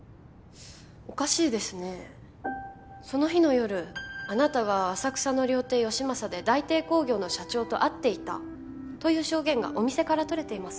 おかしいですねその日の夜あなたが浅草の料亭「嘉将」で大帝工業の社長と会っていたという証言がお店から取れています